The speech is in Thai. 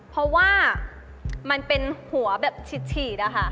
เพราะว่ามันเป็นหัวแบบฉีดอะค่ะ